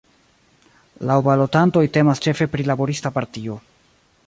Laŭ balotantoj temas ĉefe pri laborista partio.